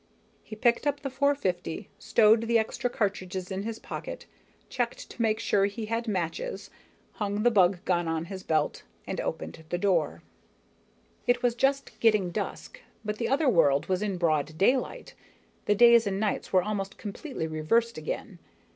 He picked up the .450, stowed the extra cartridges in his pocket, checked to make sure he had matches, hung the bug gun on his belt, and opened the door. It was just getting dusk, but the other world was in broad daylight, the days and nights were almost completely reversed again.